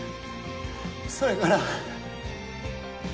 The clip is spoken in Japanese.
それから